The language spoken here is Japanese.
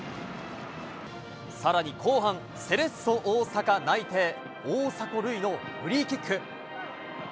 さらに後半、セレッソ大阪内定、大迫塁のフリーキック。